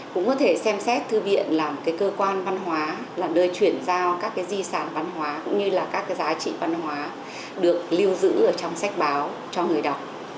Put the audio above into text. cũng có thể xem xét thư viện là một cơ quan văn hóa là nơi chuyển giao các cái di sản văn hóa cũng như là các giá trị văn hóa được lưu giữ ở trong sách báo cho người đọc